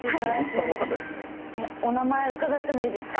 お名前伺ってもいいですか？